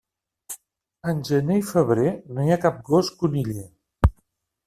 En gener i febrer, no hi ha cap gos coniller.